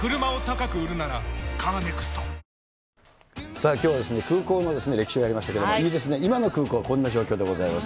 さあきょうは空港の歴史をやりましたけど、いいですね、今の空港はこんな状況でございます。